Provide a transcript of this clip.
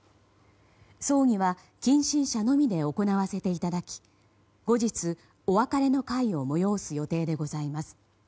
葬儀は近親者のみで行わせていただき後日、お別れの会を催す予定でございます。